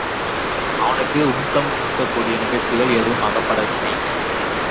அவனுக்கு ஊக்கம் கொடுக்கக்கூடிய நிகழ்ச்சிகள் எதுவுமே அகப்படவில்லை.